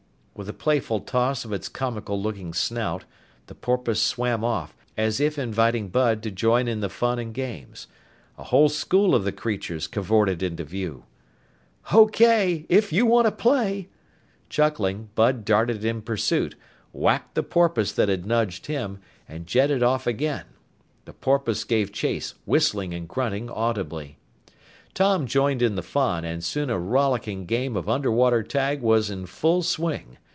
With a playful toss of its comical looking snout, the porpoise swam off, as if inviting Bud to join in the fun and games. A whole school of the creatures cavorted into view. "Okay! If you want to play!" Chuckling, Bud darted in pursuit, whacked the porpoise that had nudged him, and jetted off again. The porpoise gave chase, whistling and grunting audibly. Tom joined in the fun, and soon a rollicking game of underwater tag was in full swing.